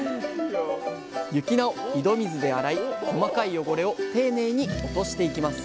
雪菜を井戸水で洗い細かい汚れを丁寧に落としていきます